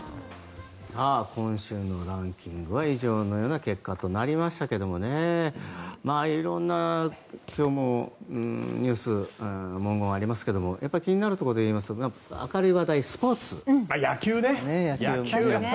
今週のランキングは以上のような結果となりましたが色んなニュース文言がありますが気になるところでいいますと明るい話題野球ね。